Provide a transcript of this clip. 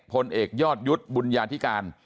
พลเอกยอดยุทธ์บุญญาธิการ